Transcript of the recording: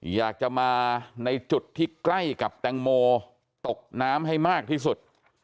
อยากจะมาในจุดที่ใกล้กับแตงโมตกน้ำให้มากที่สุด